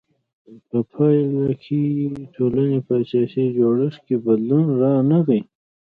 په پایله کې د ټولنې په اساسي جوړښت کې بدلون رانغی.